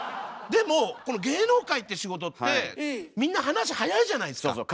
でもこの芸能界って仕事ってみんな話速いじゃないですか。